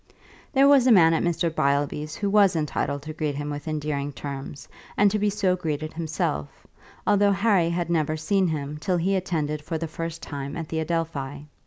There was a man at Mr. Beilby's who was entitled to greet him with endearing terms, and to be so greeted himself, although Harry had never seen him till he attended for the first time at the Adelphi.